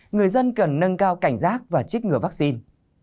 người dân cần nâng cao cảnh giác và trích ngừa vaccine